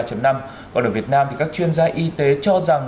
còn ở việt nam thì các chuyên gia y tế cho rằng